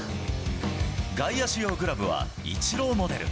外野手用グラブは、イチローモデル。